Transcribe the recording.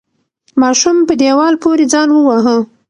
ماشوم په دیوال پورې ځان وواهه.